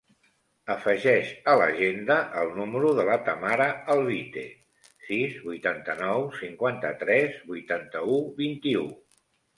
Afegeix a l'agenda el número de la Tamara Alvite: sis, vuitanta-nou, cinquanta-tres, vuitanta-u, vint-i-u.